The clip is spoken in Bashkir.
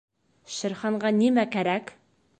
— Шер Ханға нимә кәрәк?